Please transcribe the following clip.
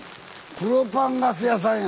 プロパンガス屋さんや。